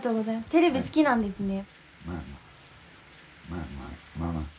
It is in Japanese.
テレビ好きなんですね？